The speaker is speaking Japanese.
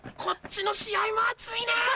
こっちの試合も熱いね。